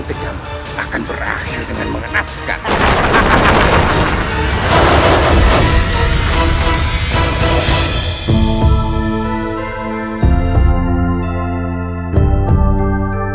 tumin usual dan yang sekolah yang jangan bisa masak lalu beautiful bunga inside